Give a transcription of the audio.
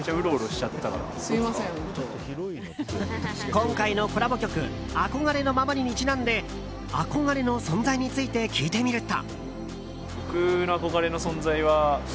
今回のコラボ曲「憧れのままに」にちなんで憧れの存在について聞いてみると。